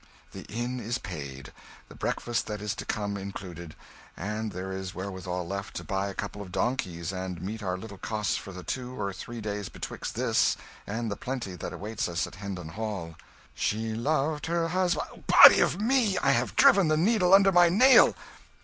"The inn is paid the breakfast that is to come, included and there is wherewithal left to buy a couple of donkeys and meet our little costs for the two or three days betwixt this and the plenty that awaits us at Hendon Hall "'She loved her hus ' "Body o' me! I have driven the needle under my nail!